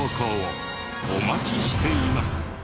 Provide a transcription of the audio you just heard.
お待ちしています。